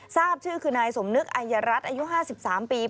ทราบชื่อคือนายสมนึกอายรัฐอายุ๕๓ปี